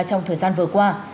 trong thời gian vừa qua